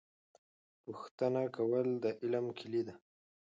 پوښتنه کول د علم کیلي ده.